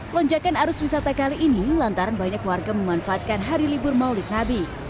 lonjakan arus wisata kali ini lantaran banyak warga memanfaatkan hari libur maulid nabi